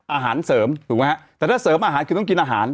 อาหารเสริมถูกไหมฮะแต่ถ้าเสริมอาหารคือต้องกินอาหาร